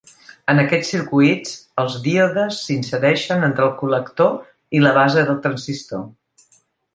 En aquests circuits, els díodes s'insereixen entre el col·lector i la base del transistor.